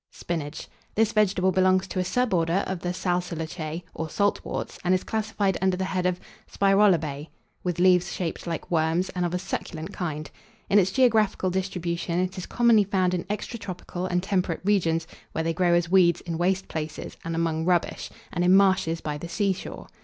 SPINACH. This vegetable belongs to a sub order of the Salsolaceae, or saltworts, and is classified under the head of Spirolobeae, with leaves shaped like worms, and of a succulent kind. In its geographical distribution it is commonly found in extratropical and temperate regions, where they grow as weeds in waste places, and among rubbish, and in marshes by the seashore.